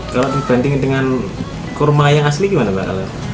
kalau dibandingin dengan kurma yang asli gimana mbak